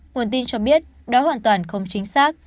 nguồn tin cho biết đó hoàn toàn không chính xác